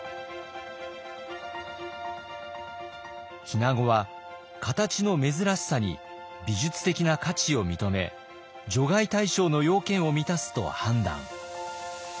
日名子は形の珍しさに美術的な価値を認め除外対象の要件を満たすと判断。